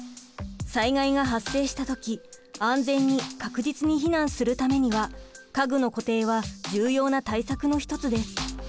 災害が発生した時安全に確実に避難するためには家具の固定は重要な対策の一つです。